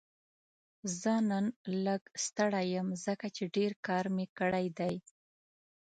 زه نن لږ ستړی یم ځکه چې ډېر کار مې کړی دی